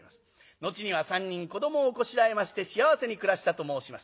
後には３人子どもをこしらえまして幸せに暮らしたと申します。